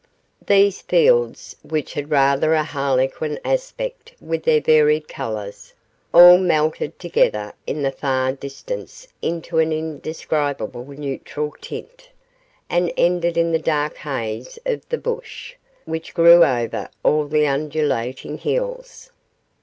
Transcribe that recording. These fields, which had rather a harlequin aspect with their varied colours, all melted together in the far distance into an indescribable neutral tint, and ended in the dark haze of the bush, which grew over all the undulating hills.